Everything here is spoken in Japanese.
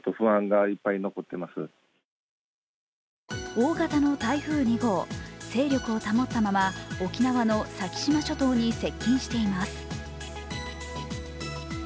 大型の台風２号、勢力を保ったまま沖縄の先島諸島に接近しています。